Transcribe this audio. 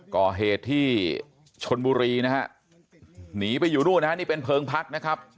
ก่อเหตุที่ชนบุรีนะฮะหนีไปอยู่นู่นนะฮะนี่เป็นเพลิงพักนะครับ